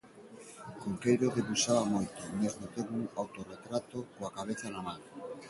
Cunqueiro debuxaba moito, mesmo ten un autorretrato coa cabeza na man.